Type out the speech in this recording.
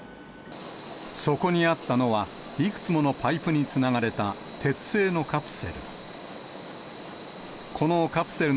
そこにあったのは、いくつものパイプにつながれた鉄製のカプセル。